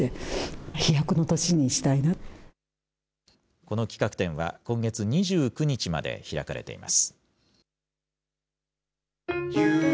この企画展は今月２９日まで開かれています。